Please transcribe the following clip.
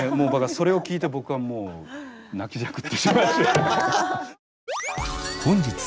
それを聞いて僕はもう泣きじゃくってしまいました。